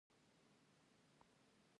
آیا کاناډا د تمباکو کنټرول نه کوي؟